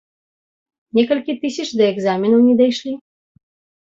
Некалькі тысяч да экзаменаў не дайшлі.